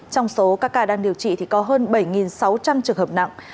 trong số các ca đang điều trị thì có hơn bảy sáu trăm linh trường hợp nặng